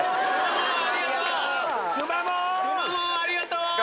くまモンありがとう！